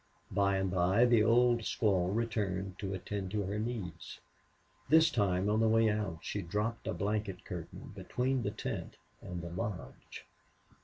By and by the old squaw returned to attend to her needs. This time on the way out she dropped a blanket curtain between the tent and the lodge.